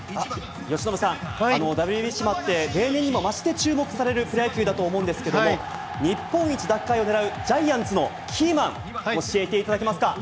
由伸さん、ＷＢＣもあって、例年にも増して注目されるプロ野球だと思うんですけど、日本一奪回をねらうジャイアンツのキーマン、教えていただけます